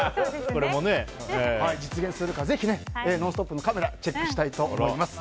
実現するかぜひ「ノンストップ！」のカメラチェックしたいと思います。